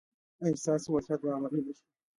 ایا ستاسو وصیت به عملي نه شي؟